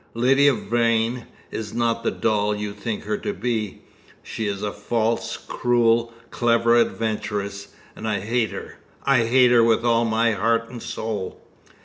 Lydia Vrain is not the doll you think her to be; she is a false, cruel, clever adventuress, and I hate her I hate her with all my heart and soul!"